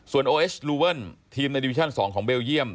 โอเอสลูเวิลทีมในดิวิชั่น๒ของเบลเยี่ยม